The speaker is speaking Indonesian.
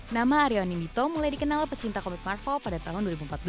nama aryo nito mulai dikenal pecinta commit marvel pada tahun dua ribu empat belas